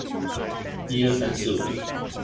站前一街東北側